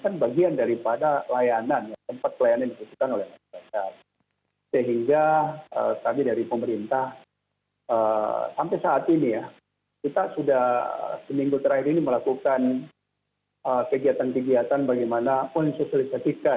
nah ini adalah hal yang terkait dengan penanganan covid sembilan belas